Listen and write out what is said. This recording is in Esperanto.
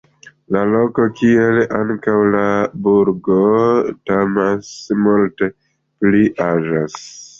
La loko kiel ankaŭ la burgo tamen multe pli aĝas.